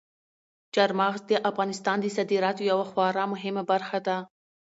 چار مغز د افغانستان د صادراتو یوه خورا مهمه برخه ده.